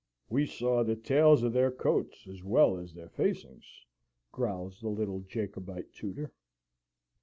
"We saw the tails of their coats, as well as their facings," growls the little Jacobite tutor.